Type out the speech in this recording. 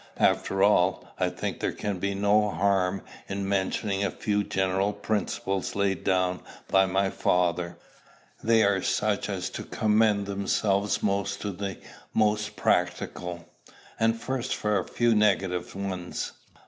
After all, I think there can be no harm in mentioning a few general principles laid down by my father. They are such as to commend themselves most to the most practical. And first for a few negative ones.